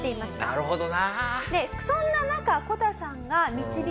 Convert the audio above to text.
なるほど！